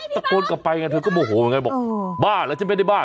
ตะโกนกลับไปไงเธอก็โมงโหนไงบอกบ้าแล้วจะเป็นในบ้า